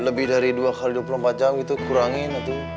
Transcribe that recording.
lebih dari dua x dua puluh empat jam itu kurangin